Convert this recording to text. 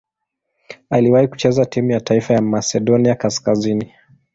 Aliwahi kucheza timu ya taifa ya Masedonia Kaskazini.